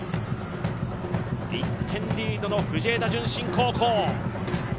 １点リードの藤枝順心高校